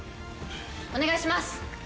お願いします！